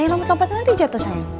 yang lompat lompatin lagi jatuh sayang